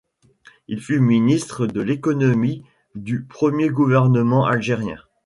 Il fut ministre de l'Économie du premier gouvernement algérien.